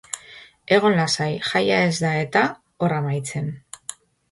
Egon lasai jaia ez da eta hor amaitzen.